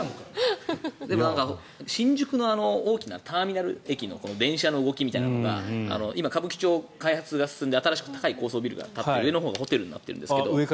でも、新宿の大きなターミナル駅の電車の動きとか今、歌舞伎町は開発が進んで新しい高層ビルが建って上のほうがホテルになってるんですけど。